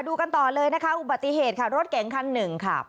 ดูกันต่อเลยนะคะอุบัติเหตุรถแก่งคัน๑ค่ะ